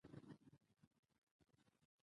چي زه نه یم په جهان کي به تور تم وي